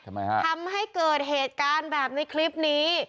ทำไมฮะทำให้เกิดเหตุการณ์แบบในคลิปนี้